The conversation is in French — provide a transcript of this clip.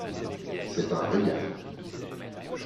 C’est un régal !